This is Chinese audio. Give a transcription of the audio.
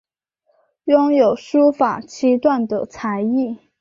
拥有书法七段的才艺。